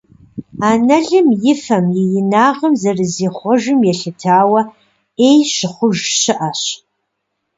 Анэлым и фэм, и инагъым зэрызихъуэжым елъытауэ, «Ӏей» щыхъуж щыӀэщ.